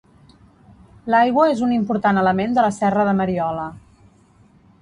L'aigua és un important element de la serra de Mariola.